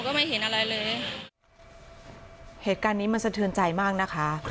ไม่เห็นอะไรเลยเหตุการณ์นี้มันสะเทือนใจมากนะคะ